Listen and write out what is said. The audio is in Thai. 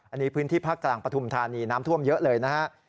อันนี้พื้นที่ภาคกลางปฐุมธานีน้ำท่วมเยอะเลยนะฮะ